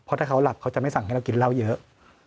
เพราะถ้าเขาหลับเขาจะไม่สั่งให้เรากินเหล้าเยอะ